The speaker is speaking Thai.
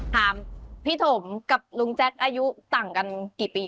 ถามพี่ถมกับลุงแจ๊คอายุต่างกันกี่ปี